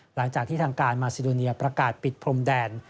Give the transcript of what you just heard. หลังจากที่ทางการมาซิโดเนียประกาศปิดพรมแดน